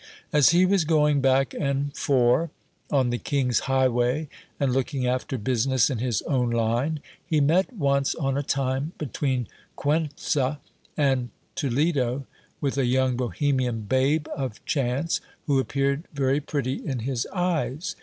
As he was going back and fore on the king's highway, and looking after business in his own line, he met once on a time, between Cuenca and Toledo, with a young Bohemian babe of chance, who appeared very pretty in his eyes.